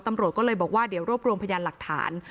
ตำรวจก็เลยบอกว่าเดี๋ยวรวบรวมพยานหลักฐาน